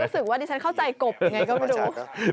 รู้สึกว่าดิฉันเข้าใจกบยังไงก็ไม่รู้